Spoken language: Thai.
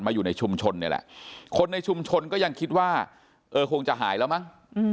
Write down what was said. อยู่ในชุมชนนี่แหละคนในชุมชนก็ยังคิดว่าเออคงจะหายแล้วมั้ง